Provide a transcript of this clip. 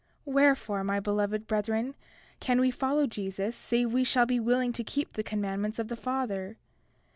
Wherefore, my beloved brethren, can we follow Jesus save we shall be willing to keep the commandments of the Father?